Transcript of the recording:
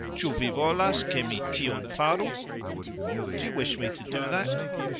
"Cxu vi volas ke mi tion faru?" Do you wish me to do that?